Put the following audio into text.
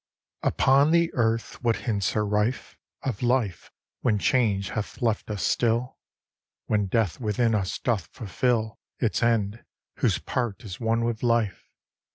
XXI Upon the Earth what hints are rife, Of life when change hath left us still! When death within us doth fulfil Its end, whose part is one with life!